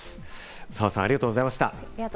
澤さん、ありがとうございました。